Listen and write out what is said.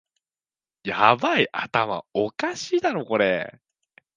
ヤバい、頭おかしいだろこれ